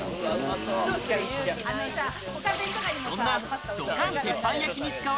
そんなドカン鉄板焼きに使わ